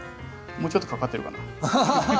もうちょっとかかってるかな？